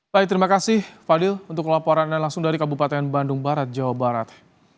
baik terima kasih fadil untuk laporan anda langsung dari kabupaten bandung barat jawa barat